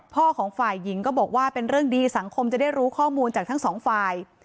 ของฝ่ายหญิงก็บอกว่าเป็นเรื่องดีสังคมจะได้รู้ข้อมูลจากทั้งสองฝ่าย